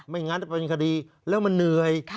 งั้นจะเป็นคดีแล้วมันเหนื่อย